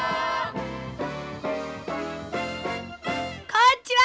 こんにちは。